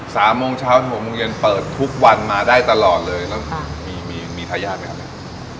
โมงเช้าถึงหกโมงเย็นเปิดทุกวันมาได้ตลอดเลยแล้วค่ะมีมีทายาทไหมครับเนี่ย